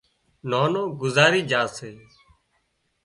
نانوگذارِي جھا سي